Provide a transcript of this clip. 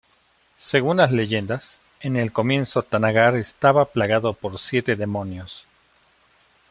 Según las leyendas, en el comienzo Thanagar estaba plagado por siete demonios.